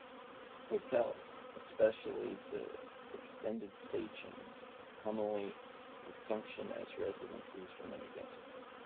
Hotels, especially the extended stay chains, commonly function as residences for many guests.